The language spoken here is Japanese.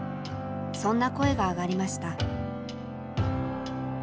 そんな声が上がりました。